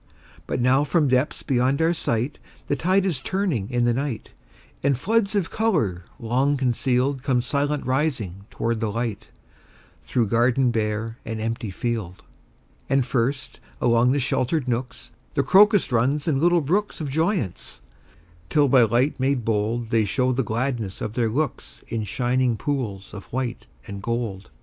But now from depths beyond our sight, The tide is turning in the night, And floods of color long concealed Come silent rising toward the light, Through garden bare and empty field. And first, along the sheltered nooks, The crocus runs in little brooks Of joyance, till by light made bold They show the gladness of their looks In shining pools of white and gold.